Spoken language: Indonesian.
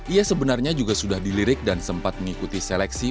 ia sebenarnya juga sudah dilirik dan sempat mengikuti seleksi